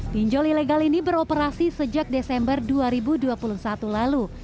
pinjol ilegal ini beroperasi sejak desember dua ribu dua puluh satu lalu